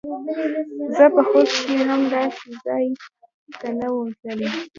زه په خوب کښې هم داسې ځاى ته نه وم تللى.